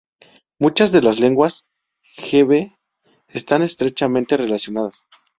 Muchas de las lenguas gbe están estrechamente relacionadas.